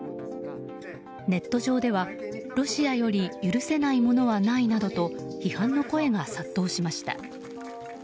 ネット上ではロシアより許せないものはないなどと批判の声が殺到しました。